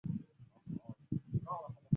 越南阮朝官员。